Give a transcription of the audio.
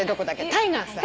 タイガースさん。